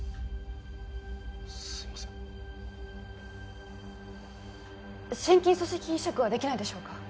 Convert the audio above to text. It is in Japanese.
すいません心筋組織移植はできないでしょうか